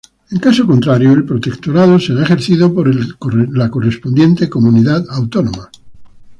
En caso contrario, el protectorado será ejercido por la correspondiente Comunidad Autónoma.